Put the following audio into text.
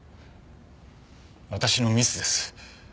私のミスです。